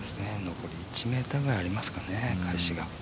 残り１ｍぐらいありますかね、返しが。